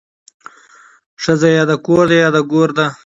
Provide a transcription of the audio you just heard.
ښځه يا د کور ده يا د ګور ده